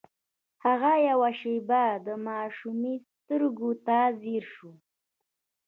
هغه يوه شېبه د ماشومې سترګو ته ځير شو.